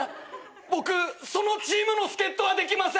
僕そのチームの助っ人はできません。